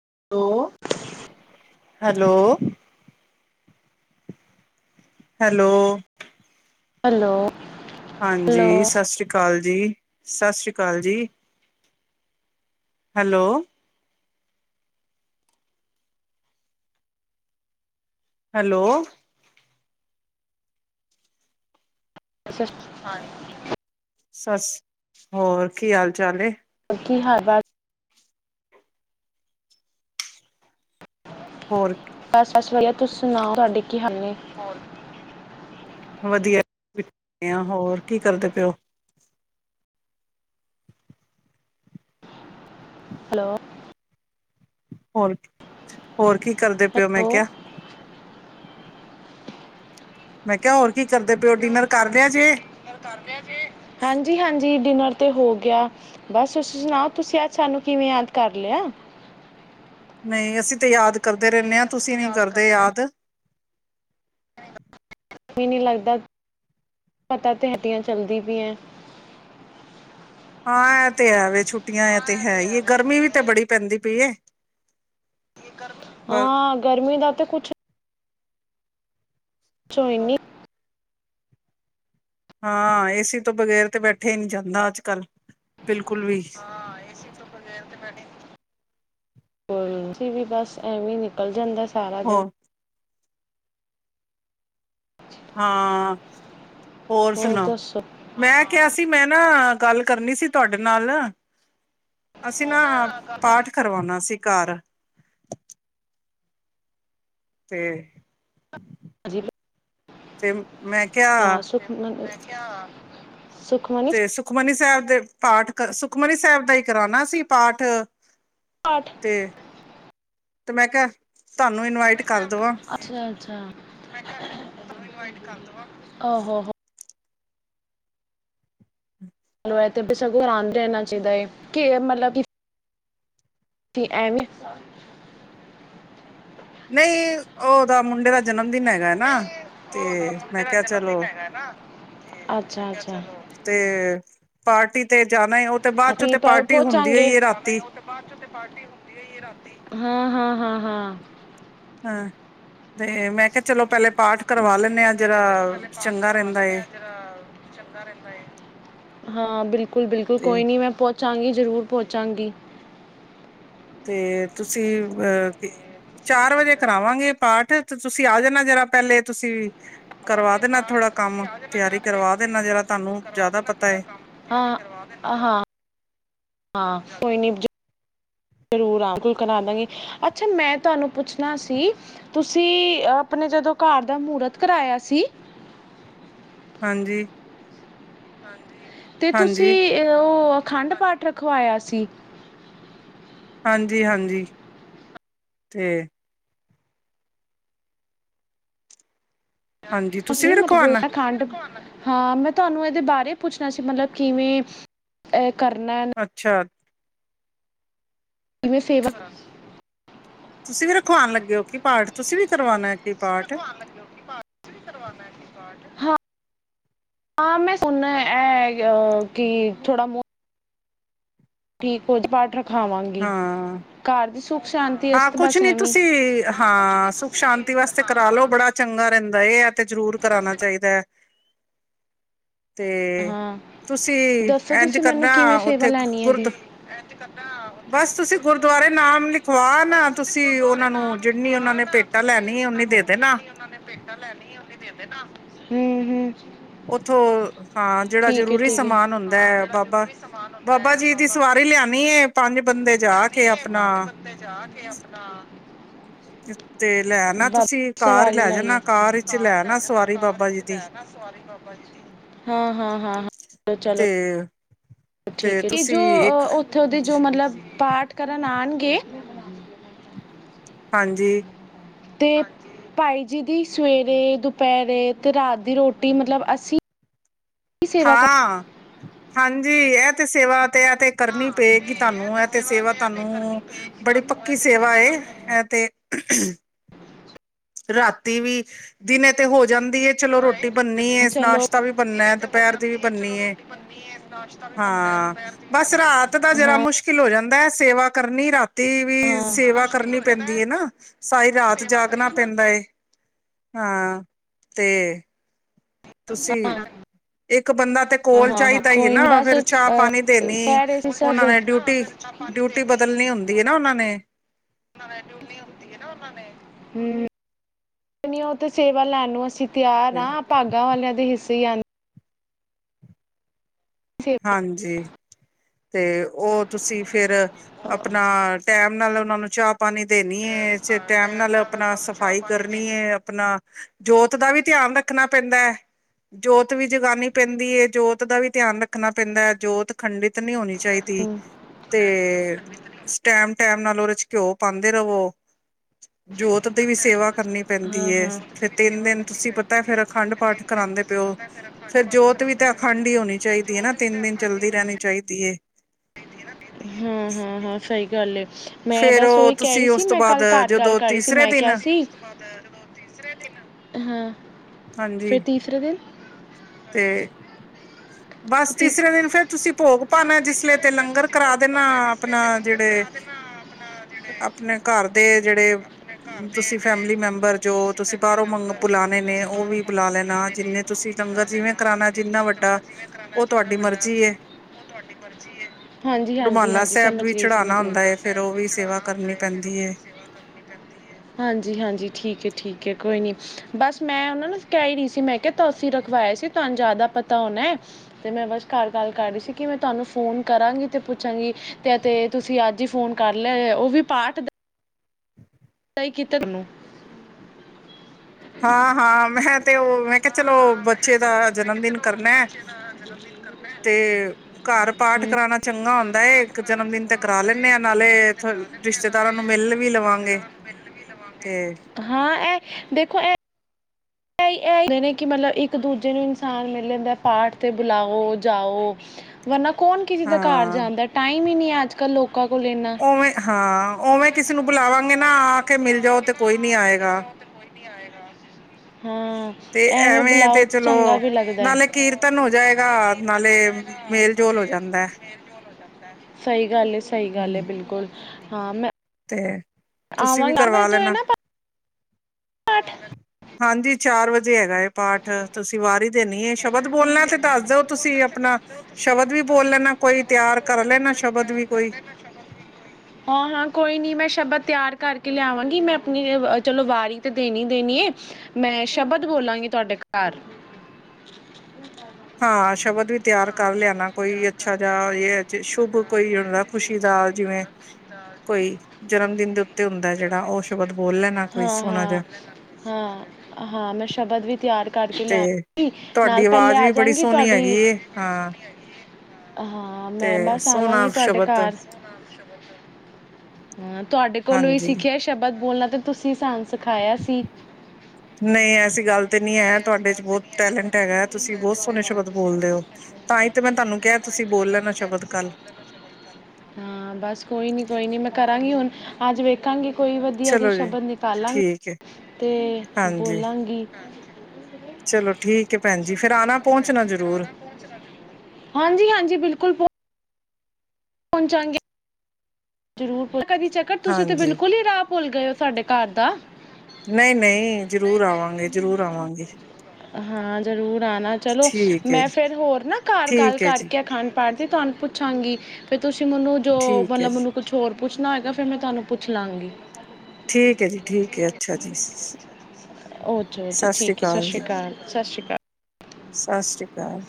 [unintelligible] Hello hello hello ਹਾਂਜੀ hello ਸਤਿ ਸ੍ਰੀ ਅਕਾਲ ਜੀ ਸਤਿ ਸ੍ਰੀ ਅਕਾਲ ਜੀ ਹੈਲੋ ਹੈਲੋ [inaudible] ਸ ਹੋਰ ਕੀ ਹਾਲ ਚਾਲ ਏ ਕੀ ਹਾਲ ਬ ਹੋਰ ਬਸ-ਬਸ ਵਧੀਆ ਆ ਤੁਸੀ ਸੁਣਾਓ ਤੁਹਾਡੇ ਕੀ ਹਾਲ ਨੇ? ਵਧੀਆ ਹੋਰ ਕੀ ਕਰਦੇ ਪਿਓ ਹੈਲੋ ਹੋਰ, ਹੋਰ ਕੀ ਕਰਦੇ ਪਿਓ ਮੈਂ ਹੈਲੋ ਕਿਆ? ਮੈਂ ਕਿਆ ਹੋਰ ਕੀ ਕਰਦੇ ਪਓ ਡਿਨਰ ਕਰ ਲਿਆ ਜੇ? ਕਾਰ ਲਿਆ ਜੇ, ਹਾਂਜੀ ਹਾਂਜ ਤੀ ਡਿਨਰ ਤੇ ਹੋ ਗਿਆ। ਬਸ ਤੁਸੀਂ ਸੁਣਾਓ, ਤੁਸੀਂ ਅੱਜ ਸਾਨੂੰ ਕਿਵੇਂ ਯਾਦ ਕਰ ਲਿਐ? ਨਹੀਂ ਅਸੀਂ ਤੇ ਯਾਦ ਕਰਦੇ ਰੈੰਣੇ ਆਂ। ਤੁਸੀਂ ਨੀ ਕਰਦੇ ਯਾਦ। ਵੀ ਨੀ ਲੱਗਦਾ, ਪਤਾ ਤੇ ਹੱਡੀਆਂ ਚਲਦੀ ਪਿਐ‌। ਹਾਂ, ਐ ਤੇ ਹੈ ਵੇ। ਛੁੱਟੀਆ ਐਤੇ ਹੈਈ ਏ, ਗਰਮੀ ਵੀ ਤੇ ਬੜੀ ਪੈਂਦੀ ਪੀਏ। ਜੇਕਰ ਹਾਂ ਗਰਮੀ ਦਾ ਤੇ ਕੁਜ ਚਾਏ ਨੇ। ਹਾਂ, ਏਸੀ ਤੋਂ ਬਗੈਰ ਤੇ ਬੈਠੇਆ ਨੀ ਜਾਂਦਾ ਅੱਜ-ਕੱਲ, ਬਿਲਕੁ ਹਾਂ, ਏਸੀ ਤੋਂ ਬਗੈਰ ਤੇ ਬੈਠੇਆ ਨੀ, ਹੋਰ ਤੁਸੀਂ ਬਸ ਐਵੇਂ ਨਿਕਲ ਜਾਂਦੈ। ਸਾਰਾ ਹੋ ਦੇਨ। ਹਾਂ। ਹੋਰ ਸੁਣਾ, ਮੈਂ ਕਿਆ ਸੀ ਮੈਂ ਨਾ ਗੱਲ ਕਰਨੀ ਸੀ, ਤੁਹਾਡੇ ਨਾਲ। ਅਸੀਂ ਨਾ ਪਾਠ ਕਰਵੌਣਾ ਸੀ। ਘੱਰ। ਤੇ ਅਜੀਬ ਲੱਗ, ਤੇ ਮੈਂ ਕਿਹਾ ਤਾਂ ਸੁਖਮਨੀ ਤੇ ਸੁਖਮਨੀ ਸਾਹਿਬ ਸਾਹਿਬ ਦੇ ਪਾਠ ਕਰ ਸੁਖਮਨੀ ਸਾਹਿਬ ਦਾ ਈ ਕਰਾਣਾ ਸੀ ਪਾਠ। ਪਾਠ। ਤੇ ਤੇ ਮੈਂ ਕੇਯਾ ਸੁਖਮਨੀ ਸਾਹਿਬ ਨੀ ਕਿਤੇ ਗਏ, ਅੱਛਾ ਅੱਛਾ, ਮੈਂ ਕੈ ਤੁਹਾਨੂੰ ਇਨਵਾਈਟ ਕਰ ਦਵਾਂ, ਆਹੋ ਆਹੋ। ਤੇ ਤੋ ਸਗੋਂ ਆਣ ਦੇਣਾ ਚਾਹੀਦਾ ਏ, ਕਿ ਏ ਮਤਲਬ ਕਿ ਕੀ ਐਵੇਂ। ਨਹੀਂ ਔਦਾ ਮੁੰਡੇ ਦਾ ਜਨਮ ਦਿਨ ਹੈਗੈ ਨਾ, ਤੇ ਮੈਂ ਕਿਆ ਚਲੋ। ਅੱਛਾ ਅੱਛਾ। ਤੇ ਪਾਰਟੀ ਤੇ ਜਾ ਅਸੀ ਟਾਈ ਪੋਚਾਂਗੇ, ਪਾਰਟੀ ਤੇ ਜਾਣਾ ਰਾਤੀ ਏ, ਔ ਤੇ ਬਾਦ ਚੋਂ ਤੇ ਪਾਰਟੀ ਹੁੰਦੀ ਔਈ ਏ ਰਾਤੀ, ਹਾਂ ਹਾਂ। ਅ ਹਾਂ ਹਾਂ ਹੈ, ਮੈਂ ਕੇਹਾ ਚਲੋ ਪਹਿਲੇ ਪਾਠ ਕਰਵਾ ਤੇ ਲੈਂਦੇ ਆ ਮੈਂ ਜਰਾ ਕਿਹਾ ਚਲੋ ਪਹਿਲੇ ਪਾਠ ਚੰਗਾ ਕਰਵਾ ਰਹਿੰਦਾ ਲੈਂਨੇ ਹੈ ਆ, ਜਿਹੜਾ ਚੰਗਾ ਰਹਿੰਦਾ ਏ ਹਾਂ ਬਿਲ ਬਿਲਕੁਲ- ਬਿਲਕੁਲ ਤੇ ਕੋਈ ਨੀ ਮੈਂ ਪਹੁੰਚ ਪਹੁੰਚਾਂਗੀ ਜ਼ਰੂਰ ਪਹੁੰਚਾਂਗੀ ਤੇ ਤੁਸੀਂ, ਅਹ ਚਾਰ ਵਜੇ ਕਰਾਵਾਂਗੇ ਪਾਠ, ਤੇ ਤੁਸੀਂ ਆ ਜਾਣਾ ਜਰਾ ਪਹਿਲੇ, ਤੁਸੀਂ ਕਰਵਾ ਦੇਣਾ ਥੋੜਾ ਤੁਸੀਂ ਕੰਮ ਆ ਜਾਣਾ, ਤਿਆਰੀ ਕਰਵਾ ਤੁਸੀਂ ਦੇਣਾ ਜਰਾ ਤੁਹਾਨੂੰ ਕਰਵਾ ਜ਼ਿਆਦਾ ਦੇਣਾ ਪਤਾ ਥੋੜਾ ਹੈ ਕੰਮ ਕਰਵਾ ਹਾਂ ਕੋਈ ਨੀ ਜ਼ਰੂਰ ਹਾਂ ਬਿਲਕੁਲ ਆਵਾਂਗੇ ਕਰਾ ਦਾਂਗੀ, ਅੱਛਾ ਮੈਂ ਤੁਹਾਨੂੰ ਪੁੱਛਣਾ ਸੀ ਤੁਸੀਂ ਆਪਣੇ ਜਦੋਂ ਘਰ ਦਾ ਮਹੂਰਤ ਕਰਾਇਆ ਸੀ ਹਾਂਜੀ ਹਾਂਜੀ ਤੇ ਤੁਸੀਂ ਹਾਂਜੀ ਅਹ ਉਹ ਖੰਡ ਪਾਠ ਰਖਵਾਇਆ ਸੀ? ਹਾਂਜੀ ਹਾਂਜੀ, ਤੇ ਹਾਂਜੀ ਤੁਸੀਂ ਅਸੀਂ ਵੀ ਮਤਲਬ ਰਖਵਾਣਾ ਅਖੰਡ ਹਾਂ, ਮੈਂ ਤੁਹਾਨੂੰ ਇਹਦੇ ਬਾਰੇ ਪੁੱਛਣਾ ਸੀ, ਮਤਲਬ ਕਿਵੇਂ ਅ ਕਰਨਾ ਐ ਨਾ ਅੱਛਾ ਇਹਵੇਂ ਸੇਵਾ ਤੁਸੀਂ ਵੀ ਰਖਵਾਉਣ ਲੱਗੇ ਹੋ ਕਿ ਪਾਠ, ਤੁਸੀਂ ਵੀ ਕਰਵਾਨਾ ਏ, ਕੀ ਪਾਠ ਹਾਂ, ਹਾਂ ਮੈਂ ਸੁਣਨਾ ਇਹ ਅ ਕਿ ਥੋੜ੍ਹਾ ਮਤ ਠੀਕ, ਕੁਝ ਪਾਠ ਰੱਖ ਖਾਵਾਂਗੀ, ਹਾਂ ਘਰ ਦੀ ਸੂਪ ਹਾਂ ਕੁਛ ਨੀ ਤੁਸੀਂ ਹਾਂ ਸੁੱਖ ਸ਼ਾਂਤੀ ਵਾਸਤੇ, ਕਰਾ ਲਓ ਬੜਾ ਚੰਗਾ ਰਹਿੰਦਾ ਦੇ ਇਹ ਤੇ ਜ਼ਰੂਰ ਕਰਾਣਾ ਚਾਹੀਦਾ ਹੈ ਤੇ ਹਾਂ ਤੁਸੀਂ ਦੱਸੋ ਇੰਝ ਤੁਸੀਂ ਮੈਨੂੰ ਕਿਵੇਂ ਕਰਨਾ ਸੇਵਾ ਉੱਥੇ ਲੈਣੀ ਹੈ ਇਹਦੀ ਗੁਰਦ, ਬਸ ਤੁਸੀਂ ਗੁਰਦੁਆਰੇ ਨਾਮ ਲਿਖ ਬਸ ਤੁਸੀਂ ਗੁਰਦੁਆਰੇ ਨਾਮ ਨਿਖਵਾ ਉਹਨਾਂ ਨੇ ਆਣਾ, ਭੇਟਾ ਤੁਸੀਂ ਲੈਣੀ ਉਹਨਾ ਓਨੀ ਨੂੰ, ਦੇ ਦੇਣਾ ਜਿਨੀ ਉਹਨਾਂ ਨੇ ਭੇਟਾਂ ਲੈਣੀਆਂ ਉਹਨੇ ਹੂ ਹੂ ਉੱਥੋਂ ਹਾਂ ਜਿਹੜਾ ਜਰੂਰੀ ਠੀਕ ਹੈ ਸਮਾਨ ਹੁੰਦਾ ਹੈ, ਬਾਬਾ ਬਾਬਾ ਜੀ ਦੀ ਸਵਾਰੀ ਲਿਆਦੇ ਬੀ ਐ ਲਿਆਣੀ ਐ, ਪੰਜ ਬੱਦੇ ਜਾ ਕੇ ਆਪਣਾ ਤੇ ਲੈ ਨਾ ਬਾਬਾ ਤੁਸੀਂ ਕਾਰ ਸਵਾਰੀ ਲੈ ਆਈਏ, ਹਾਂ ਜਾਣਾ ਤੁਸੀਂ ਵਿੱਚ ਕਾਰ ਲੈ ਲੇ ਨਾ ਜਾਣਾ ਸਵਾਰੀ ਕਾਰ ਬਾਬਾ ਜੀ ਚ ਲੇ ਦੀ ਆਣਾ ਸਵਾਰੀ ਬਾਬਾ ਜੀ ਦੀ, ਹਾਂ ਹਾਂ ਹਾਂ ਚਲੋ ਤੇ ਠੀਕ ਏ, ਤੇ ਤੁਸੀਂ ਜੋ ਇੱਕ ਉੱਥੇ ਦੇ ਜੋ ਮਤਲੱਬ ਪਾਠ ਕਰਨ ਆਉਣਗੇ ਹਾਂਜੀ ਤੇ ਭਾਈ ਜੀ ਦੀ ਸਵੇਰੇ ਦੁਪਹਿਰੇ ਤੇ ਰਾਤ ਦੀ ਰੋਟੀ ਮਤਲੱਬ ਅਸੀਂ ਹੀ ਸੇਵਾ ਹਾਂ ਹਾਂਜੀ ਹੈ ਤੇ ਸੇਵਾ ਇਹ ਤੇ ਕਰਨੀ ਪਏਗੀ ਤੁਹਾਨੂੰ, ਐ ਤੇ ਸੇਵਾ ਤੁਹਾਨੂੰ ਬੜੀ ਪੱਕੀ ਸੇਵਾ ਏ ਤੇ ਰਾਤੀ ਵੀ ਦਿਨੇ ਤੇ ਹੋ ਜਾਂਦੀ ਚਲੋ ਰੋਟੀ ਬਣਨੀ ਕਰ ਏ, ਚਲੋ ਨਾਸ਼ਤਾ ਵੀ ਬਣਨਾ ਦੁਪਹਿਰ ਦੀ ਵੀ ਬੰਨੀ ਏ, ਬਸ ਰਾਤ ਦਾ ਜਰਾ ਹਾਂ ਮੁਸ਼ਕਿਲ ਹੋ ਜਾਂਦਾ ਮੈਂ ਸੇਵਾ ਕਰਨੀ ਰਾਤ ਤੇ ਵੀ ਹਾਂ ਸੇਵਾ ਕਰਨੀ ਪੈਂਦੀ ਹੈ ਨਾ, ਸਾਰੀ ਰਾਤ ਜਾਗਣਾ ਦੇ, ਹਾਂ ਤੇ ਹਾਂ, ਤੁਸੀਂ ਇੱਕ ਬੰਦਾ ਤੇ ਹਾਂ ਕੋਲ ਹਾਂ ਹਾਂ ਚਾਹੀਦਾ ਹੀ ਹੈ ਕੋਈ ਨਹੀਂ ਨਾ, ਬਸ ਫਿਰ ਅ, ਚਾਹ ਪਾਣੀ ਦੇਣੀ ਕਹਿ ਰਹੇ ਸੀ ਸਭ ਉਹਨਾਂ ਨੇ ਡਿਊਟੀ ਡਿਊਟੀ ਬਦੱਲਣੀ ਹੁੰਦੀ ਹੈ ਨਾ, ਉਹਨਾਂ ਨੇ ਹਮ ਉਹ ਤੇ ਸੇਵਾ ਲੈ ਨੂੰ ਅਸੀਂ ਤਿਆਰ ਆਂ, ਭਾਗਾਂ ਵਾਲਿਆਂ ਦੇ ਹਿੱਸੇ ਸਹੀ ਆ [inaudible] ਸੇਵਾ ਹਾਂਜੀ ਤੇ ਉਹ ਤੁਸੀਂ ਫਿਰ ਆਪਣਾ ਟਾਇਮ ਨਾਲ ਉਹਨਾਂ ਚਾਹ ਪਾਣੀ ਦੇਣੀ ਹੈ, ਟਾਇਮ ਨਾਲ ਆਪਣਾ ਸਫ਼ਾਈ ਕਰਨੀ ਹੈ ਆਪਣਾ ਜੋਤ ਦਾ ਵੀ ਧਿਆਨ ਰੱਖਣਾ ਪੈਂਦਾ ਹੈ ਜੋਤ ਵੀ ਜਗਾਨੀ ਪੈਂਦੀ ਹੈ ਜੋਤ ਦਾ ਵੀ ਧਿਆਨ ਰੱਖਣਾ ਪੈਂਦਾ ਹੈ ਜੋਤ ਖੰਡਿਤ ਨਹੀਂ ਹੋਣੀ ਚਾਹੀਦੀ ਹਮ, ਤੇ ਸਟੈਂਪ ਟਾਇਮ ਨਾਲ ਉਹਦੇ ਚ ਘਿਓ ਪਾਉਂਦੇ ਰਵੋ ਜੋਤ ਦੀ ਵੀ ਸੇਵਾ ਕਰਨੀ ਹਾਂ ਪੈਂਦੀ ਹੈ ਹਾਂ ਫਿਰ ਤਿੰਨ ਦਿਨ ਤੁਸੀਂ ਪਤਾ ਫਿਰ ਅਖੰਡ ਪਾਠ ਕਰਾਉਂਦੇ ਪਿਓ ਫਿਰ ਜੋਤ ਵੀ ਤਾਂ ਅਖੰਡ ਹੀ ਹੋਣੀ ਚਾਹੀਦੀ ਹੈ ਨਾ ਤਿੰਨ ਦਿਨ ਚੱਲਦੀ ਰਹਿਣੀ ਚਾਹੀਦੀ ਹੈ ਹਾਂ ਹਾਂ ਹਾਂ ਸਹੀ ਚੱਲ ਮੈਂ ਫੇਰ ਬਸ ਉਹ ਉਹੀ ਕਹਿ ਰਹੀ ਤੁਸੀਂ ਸੀ ਉਸ ਤੋਂ ਮੈਂ ਬਾਅਦ ਕੱਲ ਘਰ ਗੱਲ ਜਦੋਂ ਕਰ ਰਹੀ ਸੀ ਤੀਸਰੇ ਮੈਂ ਦਿਨ ਕਿਹਾ ਸੀ ਹਾਂ ਫਿਰ ਹਾਂਜੀ ਤੀਸਰੇ ਦਿਨ ਤੇ ਬਸ ਫਿਰ ਤੀ- ਤੀਸਰੇ ਦਿਨ ਫਿਰ ਤੁਸੀਂ ਭੋਗ ਪਾਉਂਣਾ ਜਿਸਲੇ ਤੇ ਲੰਗਰ ਕਰਾ ਦੇਣਾ ਆਪਣਾ ਜਿਹੜੇ ਆਪਣੇ ਘਰ ਦੇ ਜਿਹੜੇ ਤੁਸੀਂ ਫੈਂਮਲੀ ਮੈਂਬਰ ਜੋ ਤੁਸੀਂ ਬਾਹਰੋਂ ਮੰਗ ਬੁਲਾਣੇ ਨੇ ਉਹ ਵੀ ਬੁਲਾ ਲੈਣਾ ਜਿੰਨੇ ਤੁਸੀਂ ਲੰਗਰ ਕਰਾਉਣਾ ਜਿੰਨਾ ਵੱਡਾ ਉਹ ਤੁਹਾਡੀ ਮਰਜ਼ੀ ਏ। ਰੁਮਾਲਾ ਹਾਂਜੀ-ਹਾਂਜੀ ਸਾਹਿਬ ਸਮਝ ਵੀ ਗਈ, ਚੜਾਉਣਾ ਹੁੰਦਾ ਹੈ ਫੇਰ ਉਹ ਵੀ ਸੇਵਾ ਕਰਨੀ ਪੈਂਦੀ ਹੈ ਹਾਂਜੀ-ਹਾਂਜੀ ਠੀਕ ਆ ਠੀਕ ਕੋਈ ਨੀ ਬਸ ਮੈਂ ਉਹਨਾ ਨੂੰ ਕਹਿ ਹੀ ਰਹੀ ਸੀ ਮੈਂ ਕਿਹਾ ਤੁਸੀਂ ਰਖਵਾਇਆ ਸੀ ਤੁਹਾਨੂੰ ਜਿਆਦਾ ਪਤਾ ਹੋਣਾ ਹੈ ਤੇ ਮੈਂ ਬਸ ਘਰ ਗੱਲ ਕਰ ਰਹੀ ਸੀ ਕਿ ਮੈਂ ਤੁਹਾਨੂੰ ਫੋਨ ਕਰਾਂਗੀ ਤੇ ਪੁੱਛਾਂਗੀ ਤੇ ਅਤੇ ਤੁਸੀਂ ਅੱਜ ਹੀ ਫੋਨ ਕਰ ਲਿਆ ਉਹ ਵੀ ਪਾਠ ਦਾ ਧਨੂੰ ਹਾਂ ਹਾਂ ਮੈਂ ਤੇ ਉਹ ਮੈਂ ਕਿਹਾ ਚਲੋ ਬੱਚੇ ਦਾ ਜਨਮ ਦਿਨ ਕਰਨਾ ਹੈ। ਤੇ ਘਰ ਪਾਠ ਕਰਾਉਣਾ ਚੰਗਾ ਹੁੰਦਾ ਹੈ ਜਨਮਦਨ ਤੇ ਕਰਾ ਲੈਂਦੇ ਆ ਨਾਲੇ ਰਿਸ਼ਤੇਦਾਰਾਂ ਨੂੰ ਮਿਲ ਵੀ ਲਵਾਂਗੇ ਤੇ ਦੇਖੋ ਇਹ। ਇਹਦੇ ਨੇ ਕਿ ਮਤਲਬ ਇੱਕ ਦੂਜੇ ਨੂੰ ਇਨਸਾਨ ਮਿਲ ਜਾਂਦਾ ਪਾਠ ਤੇ ਬੁਲਾਓ ਜਾਓ ਵਰਨਾ ਕੌਣ ਕਿਸੇ ਦਾ ਘਰ ਹਾਂ ਜਾਂਦਾ ਟਾਈਮ ਵੀ ਨਹੀਂ ਅੱਜ ਕੱਲ ਲੋਕ ਉਵੇਂ ਹਾਂ ਉਵੇਂ ਕਿਸੇ ਨੂੰ ਬੁਲਾਵਾਂਗੇ ਨਾ ਆ ਕੇ ਮਿਲ ਜਾਓ ਤੇ ਕੋਈ ਨੀ ਆਏਗਾ ਹਾਂ ਤੇ ਐਵੇਂ ਬੁਲਾਓ ਤੇ ਚਲੋ ਚੰਗਾ ਵੀ ਲੱਗਦਾ ਹੈ ਨਾਲੇ ਕੀਰਤਨ ਹੋ ਜਾਏਗਾ ਨਾਲੇ ਮੇਲ ਜੋਲ ਹੋ ਜਾਂਦਾ। ਸਹੀ ਗੱਲ। ਸਹੀ ਗੱਲ ਹੈ ਬਿਲਕੁਲ। ਹਾਂ ਮੈਂ ਤੇ ਤੁਸੀਂ ਵੀ ਕਰਵਾ ਲੈਣਾ। ਅੱਠ। ਹਾਂਜੀ ਚਾਰ ਵਜੇ। ਹੈਗਾ ਪਾਠ ਤੁਸੀਂ ਵਾਰੀ ਦੇ ਨੀ ਹੈ ਸ਼ਬਦ ਬੋਲਣਾ ਤੇ ਦੱਸ ਦਿਓ ਤੁਸੀਂ ਆਪਣਾ ਸ਼ਬਦ ਵੀ ਬੋਲ ਲੈਣਾ ਕੋਈ ਤਿਆਰ ਕਰ ਲੈਣਾ ਸ਼ਬਦ ਵੀ ਕੋਈ ਓਹ ਹਾਂ ਕੋਈ ਨੀ ਮੈਂ ਸ਼ਬਦ ਤਿਆਰ ਕਰਕੇ ਲਿਆਵਾਂਗੀ ਮੈਂ ਆਪਣੀ ਚਲੋ ਵਾਰੀ ਤੇ ਦੇਣੀ-ਦੇਣੀ ਮੈਂ ਸ਼ਬਦ ਬੋਲਾਂਗੀ ਤੁਹਾਡੇ ਘਰ ਠੀਕ। ਹਾਂ ਸ਼ਬਦ ਵੀ ਤਿਆਰ ਕਰ ਲਿਆਣਾ ਕੋਈ ਅੱਛਾ ਜਿ ਇਹ ਸ਼ੁੱਭ ਕੋਈ ਹ ਦਾ ਖੁਸ਼ੀ ਦਾ ਜਿਵੇਂ ਕੋਈ ਜਨਮ ਦਿਨ ਦੇ ਤੇ ਹੁੰਦਾ ਜਿਹੜਾ ਉਹ ਸ਼ਬਦ ਬੋਲ ਲੈਣਾ ਕੋਈ ਹਾਂ ਸੋਹਣਾ ਹਾਂ ਜਿਹਾ ਹਾਂ ਹਾਂ ਮੈਂ ਸ਼ਬਦ ਵੀ ਤਿਆਰ। ਕਰਕੇ ਲਿਆ ਤੇ ਨਾਲ ਤੁਹਾਡੀ ਪਹਿਲੇ ਆਵਾਜ਼ ਵੀ ਬੜੀ ਆਜਗੀ ਸੋਹਣੀ ਹੈਗੀ ਤੁਹਾਡੀ ਏ ਹਾਂ ਹਾਂ ਤੇ ਮੈਂ ਬਸ ਸੋਹਣਾ ਆਵਾਂਗੀ ਤੁਹਾਡੇ ਸ਼ਬਦ ਘਰ ਹਾਂ ਤੁਹਾਡੇ ਕੋਲ ਹੀ ਹਾਂਜੀ ਸਿੱਖਿਆ ਸ਼ਬਦ- ਬੋਲਣਾ ਤੇ ਤੁਸੀਂ ਸਾਂਝ। ਸਿਖਾਇਆ ਸੀ। ਨਹੀਂ ਐਸੀ ਗੱਲ ਤੇ ਨੀ ਹੈ ਤੁਹਾਡੇ ਚ ਬਹੁਤ ਟੈਲੈਂਟ ਹੈਗਾ ਤੁਸੀਂ ਬਹੁਤ ਸੋਹਣੇ ਸ਼ਬਦ ਬੋਲਦੇ ਹੋ ਤਾਂ ਹੀ ਤੇ ਮੈਂ ਤੁਹਾਨੂੰ ਕਿਹਾ ਤੁਸੀਂ ਬੋਲੇ ਹਨ ਬਸ ਕੋਇਨਿ ਕੋਈਨੀ ਮੈ ਕਰਾਂਗੀ ਹੁਣ ਅੱਜ ਵੇਖੰਗੀ ਕੋਈ ਵਧੀਆ ਜੇ ਚਲੋ ਜੀ ਸ਼ਬਦ ਨਿਕਾਲਾਂਗੀ ਠੀਕ ਹੈ ਤੇ ਹਾਂਜੀ ਬੋਲਾਂਗੀ ਠੀਕ ਹ ਚਲੋ ਠੀਕ ਕੇ ਪੈਂਜੀ ਫੇਰ ਅਨਾ ਪੋਚਨਾ ਜਰੂਰ ਹਾਂਜੀ ਹਾਂਜੀ ਬਿਲਕੁਲ ਪੋ ਪੋਚੰਗੇ ਜਰੂਰ ਪੋ ਚੈਕ ਕਰ ਤੁਸੀਂ ਤੇ ਹਾਂਜੀ ਬਿਲਕੁਲ ਹੀ ਰਾਹ ਭੁੱਲ ਗਏ ਹੋ ਸਾਡੇ ਘਰ ਦਾ ਨਹੀਂ ਜ਼ਰੂਰ ਨਹੀਂ ਆਵਾਂਗੇ ਜ਼ਰੂਰ ਆਵਾਂਗੇ ਹਾਂ ਜਰੂਰ ਨਾ ਚਲੋ ਠੀਕ ਹੈ ਮੈਂ ਜੀ ਫਿਰ ਹੋਰ ਨਾ ਕਾਰ ਗੱਲ ਠੀਕ ਹੈ ਜੀ ਕਰਕੇ ਖਾਣ ਪਾਣ ਦੀ ਤੁਹਾਨੂੰ ਪੁੱਛਾਂਗੀ ਤੁਸੀ ਮੈਨੂੰ ਜੋ ਠੀਕ ਹੈ ਮਤਲਬ ਜੀ ਮੈਨੂੰ ਪੁੱਛਣਾ ਹੋਏਗਾ ਫਿਰ ਮੈਂ ਤੁਹਾਨੂੰ ਪੁੱਛ ਲਵਾਂਗੀ ਠੀਕ ਹੈ ਜੀ ਠੀਕ ਹੈ ਅੱਛਾ ਜੀ ਓਹ ਅੱਛਾ ਅੱਛਾ ਠੀਕ ਐ ਸਤ ਸ਼੍ਰੀ ਆਕਾਲ ਸਤ ਸ਼੍ਰੀ ਅਕਾਲ ਸਤ ਸ਼੍ਰੀ ਅਕਾਲ